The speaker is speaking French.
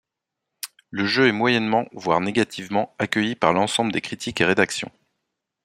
Le jeu est moyennement, voir négativement, accueilli par l'ensemble des critiques et rédactions.